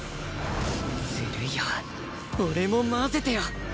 ずるいよ俺も交ぜてよ！